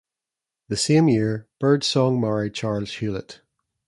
The same year, Birdsong married Charles Hewlett.